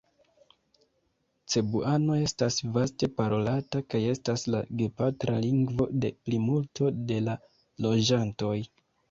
Cebuano estas vaste parolata kaj estas la gepatra lingvo de plimulto de la loĝantoj.